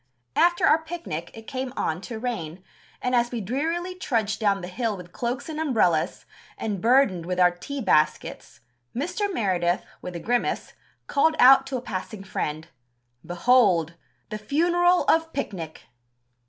"After our picnic ... it came on to rain, and as we drearily trudged down the hill with cloaks and umbrellas, and burdened with our tea baskets, Mr. Meredith, with a grimace, called out to a passing friend: 'Behold! the funeral of picnic!'"